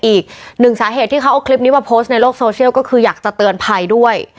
อีกหนึ่งสาเหตุที่เขาเอาคลิปนี้มาโพสต์ในโลกโซเชียลก็คืออยากจะเตือนภัยด้วย